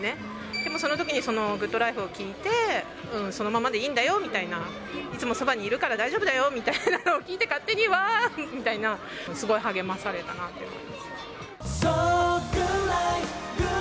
でもそのときにＧｏｏｄＬｉｆｅを聴いて、そのままでいいんだよみたいな、いつもそばにいるから大丈夫だよみたいなの聴いて、勝手にわーっみたいな、すごい励まされたなというのが。